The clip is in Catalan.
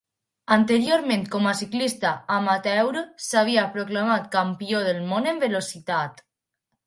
Anteriorment, com a ciclista amateur s'havia proclamat campió del món en velocitat.